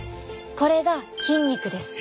これが筋肉です。